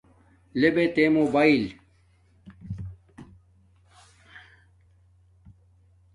لے بے تے موباݵل